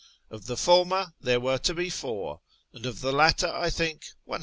Of the former there were to be four, and of the latter, I think, 150.